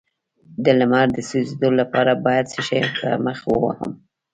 د لمر د سوځیدو لپاره باید څه شی په مخ ووهم؟